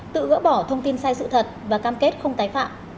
tự gỡ bỏ thông tin sai sự thật và cam kết không tái phạm